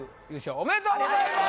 ありがとうございます。